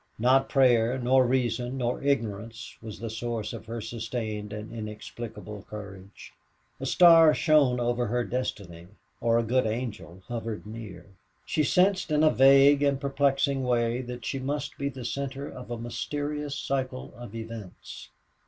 Not prayer nor reason nor ignorance was the source of her sustained and inexplicable courage. A star shone over her destiny or a good angel hovered near. She sensed in a vague and perplexing way that she must be the center of a mysterious cycle of events.